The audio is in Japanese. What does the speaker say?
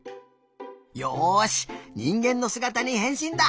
よしにんげんのすがたにへんしんだ！